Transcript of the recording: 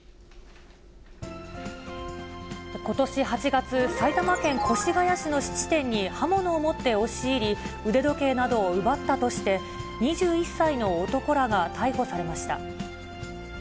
ことし８月、埼玉県越谷市の質店に刃物を持って押し入り、腕時計などを奪ったとして、２１歳の男らが逮捕されました。